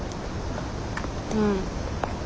うん。